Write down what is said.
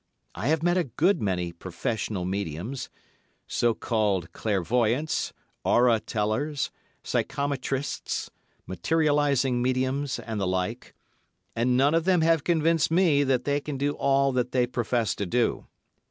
I have met a good many professional mediums—so called clairvoyants, aura tellers, psychometrists, materialising mediums, and the like, and none of them have convinced me that they can do all that they profess to do.